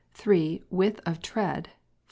Width of tread. 4.